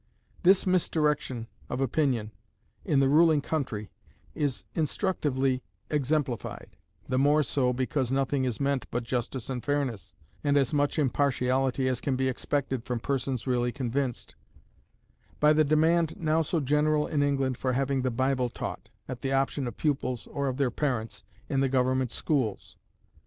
This misdirection of opinion in the ruling country is instructively exemplified (the more so, because nothing is meant but justice and fairness, and as much impartiality as can be expected from persons really convinced) by the demand now so general in England for having the Bible taught, at the option of pupils or of their parents, in the government schools.